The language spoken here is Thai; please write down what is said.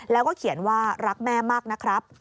แล้วก็เขียนว่ารักแม่มากนะครับ